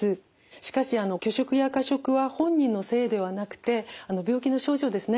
しかし拒食や過食は本人のせいではなくて病気の症状ですね